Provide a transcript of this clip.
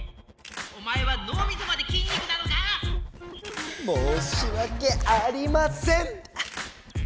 おまえはのうみそまで筋肉なのか⁉もうしわけありません！